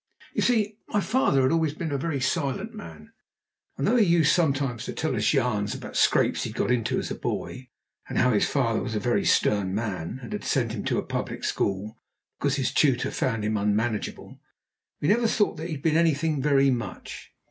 You see, my father had always been a very silent man, and though he used sometimes to tell us yarns about scrapes he'd got into as a boy, and how his father was a very stern man, and had sent him to a public school, because his tutor found him unmanageable, we never thought that he'd been anything very much.